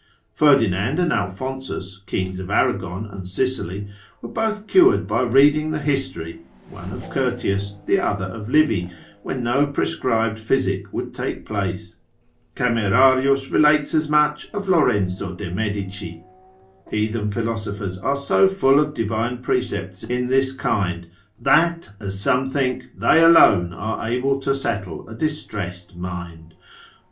Ferdinand and Alphonsus, kings of Arragon and Sicily, were both cured by reading the history, one of Curtius, the other of Livy, when no prescribed physic would take place. Camerarius relates as much of Lorenzo de' Medici. Heathen philosophers arc so full of divine precepts in this kind, that, as some think, they alone are able to settle a distressed mind.